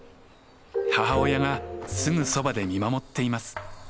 母親がすぐそばで見守っています。